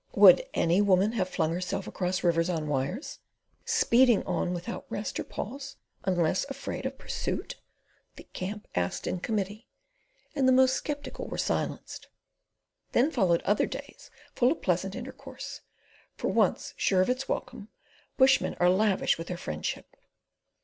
"Would any woman have flung herself across rivers on wires, speeding on without rest or pause, unless afraid of pursuit?" the camp asked in committee, and the most sceptical were silenced. Then followed other days full of pleasant intercourse; for once sure of its welcome, bushmen are lavish with their friendship.